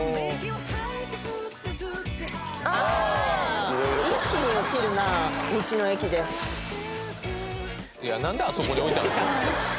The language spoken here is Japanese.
あ一気に起きるな道の駅でいや何であそこに置いてあるの？